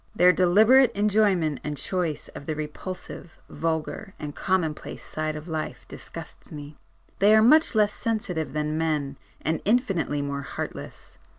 Their deliberate enjoyment and choice of the repulsive, vulgar and common place side of life disgusts me. They are much less sensitive than men, and infinitely more heartless.